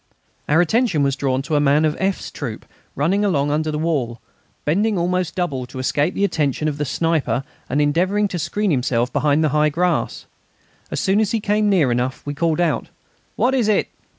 Our attention was drawn to a man of F.'s troop running along under the wall, bending almost double to escape the attention of the sniper, and endeavouring to screen himself behind the high grass. As soon as he came near enough we called out: "What is it?"